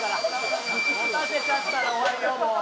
持たせちゃったら終わりよもう。